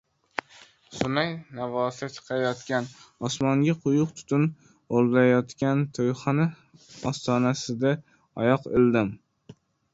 Surnay navosi chiqayotgan, osmonga quyuq tutun o‘rlayotgan to‘yxona ostonasida oyoq ildim.